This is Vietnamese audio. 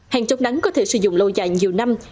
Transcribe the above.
hàng chống nắng có thể sử dụng lâu dài nhiều năm